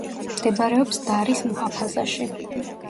მდებარეობს დარის მუჰაფაზაში.